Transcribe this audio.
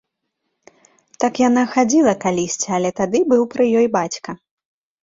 Так яна хадзіла калісьці, але тады быў пры ёй бацька.